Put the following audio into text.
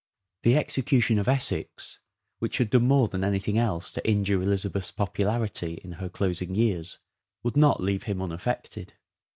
The execution of Essex which had done more than any thing else to injure Elizabeth's popularity in her closing years would not leave him unaffected.